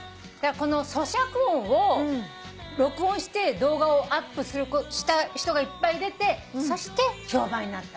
このそしゃく音を録音して動画をアップした人がいっぱい出てそして評判になったの。